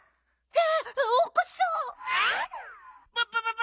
あっ！